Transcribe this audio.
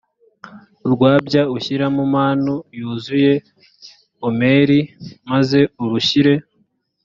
urwabya ushyiremo manu yuzuye omeri maze urushyire